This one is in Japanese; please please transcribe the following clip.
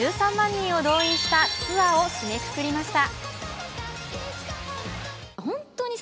人を動員したツアーを締めくくりました。